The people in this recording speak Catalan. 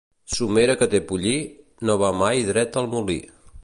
Somera que té pollí, no va mai dreta al molí.